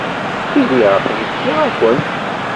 Tili aql-i fkiɣ-ak-en.